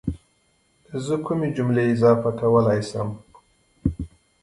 زه کومې جملې اضافه کولای شم